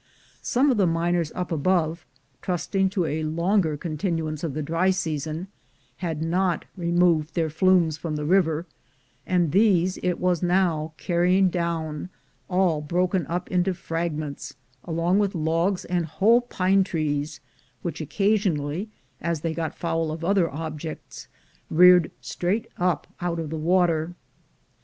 Some of the miners up above, trusting to a longer continuance of the dry season, had not removed their flumes from the river, and these it was now carrying down, all broken up into fragments, along with logs and whole pine trees, which occasionally, as they got foul of other objects, reared straight up out of the water.